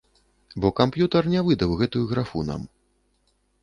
Бо камп'ютар не выдаў гэтую графу нам!